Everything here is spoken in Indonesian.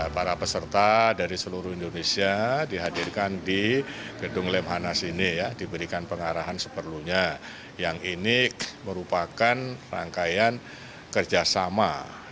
para peserta dari seluruh indonesia dihadirkan di gedung lemhanas ini ya diberikan pengarahan seperlunya yang ini merupakan rangkaian kerjasama